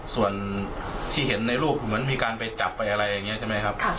ส่วนที่เห็นในรูปเหมือนมีการไปจับไปอะไรอย่างนี้ใช่ไหมครับ